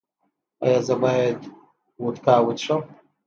ایا زه باید وودکا وڅښم؟